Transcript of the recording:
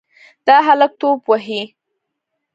دا هلک توپ وهي.